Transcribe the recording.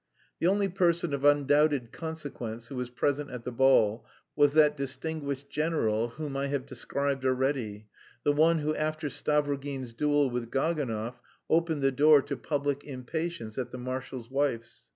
The only person of undoubted consequence who was present at the ball was that distinguished general whom I have described already, the one who after Stavrogin's duel with Gaganov opened the door to public impatience at the marshal's wife's.